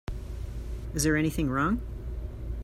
Is there anything wrong?